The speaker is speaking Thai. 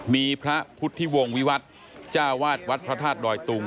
มีพระพุทธิวงศ์วิวัฒน์จ้าวาดวัดพระธาตุดอยตุง